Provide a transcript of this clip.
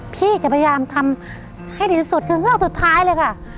พี่จะพยายามทำให้ดีที่สุดคือเงือกสุดท้ายเลยค่ะ